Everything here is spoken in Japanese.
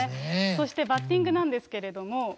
そしてバッティングなんですけれども。